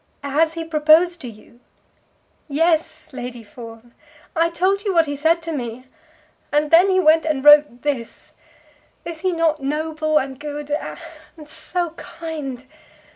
"Has he proposed to you?" "Yes, Lady Fawn. I told you what he said to me. And then he went and wrote this. Is he not noble and good, and so kind?